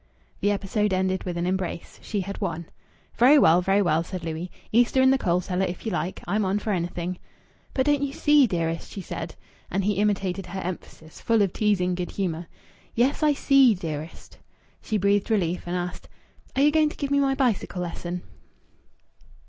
The episode ended with an embrace. She had won. "Very well! Very well!" said Louis. "Easter in the coal cellar if you like. I'm on for anything." "But don't you see, dearest?" she said. And he imitated her emphasis, full of teasing good humour "Yes, I see, dearest." She breathed relief, and asked "Are you going to give me my bicycle lesson?"